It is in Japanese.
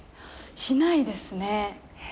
しないですね。